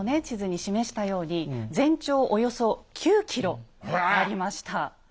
地図に示したように全長およそ９ｋｍありました。